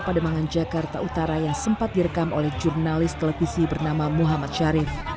pademangan jakarta utara yang sempat direkam oleh jurnalis televisi bernama muhammad sharif